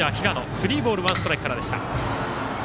スリーボールワンストライクからでした。